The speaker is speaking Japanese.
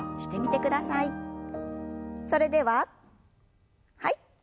それでははい。